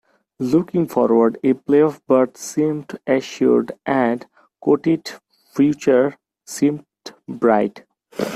Looking forward, a playoff berth seemed assured and Kotite's future seemed bright.